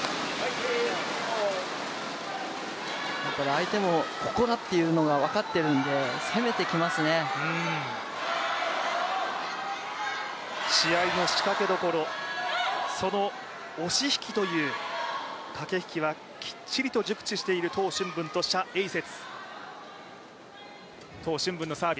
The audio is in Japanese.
相手もここだ！っていうのが分かってるんで試合の仕掛けどころその押し引きという駆け引きはきっちりと熟知しているトウ俊文と謝影雪。